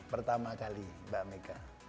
pertama kali mbak mega